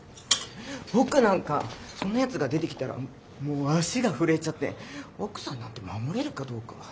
僕なんかそんなやつが出てきたらもう足が震えちゃって奥さんなんて守れるかどうか。